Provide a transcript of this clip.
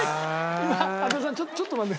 羽田さんちょっと待って。